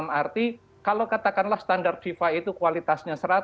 dalam arti kalau katakanlah standar fifa itu kualitasnya seratus